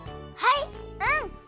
はい！